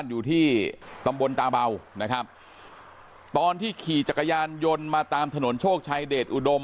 อยู่ที่ตำบลตาเบานะครับตอนที่ขี่จักรยานยนต์มาตามถนนโชคชัยเดชอุดม